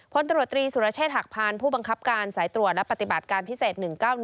พลตรวจตรีสุรเชษฐหักพานผู้บังคับการสายตรวจและปฏิบัติการพิเศษ๑๙๑